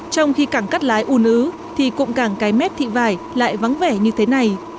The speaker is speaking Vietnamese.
trong khi cảng cắt lái ùn ứ thì cũng cảng cái mép thị vải lại vắng vẻ như thế này